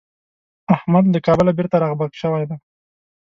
احمد له کابله بېرته راغبرګ شوی دی.